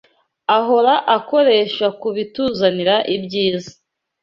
ahora akoresha ku bituzanira ibyiza.